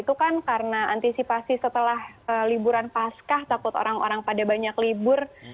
itu kan karena antisipasi setelah liburan pascah takut orang orang pada banyak libur